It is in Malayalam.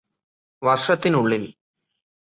വർഷത്തിനുള്ളിൽ